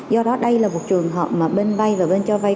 do đó đây là một trường hợp mà bên bay và bên cho vay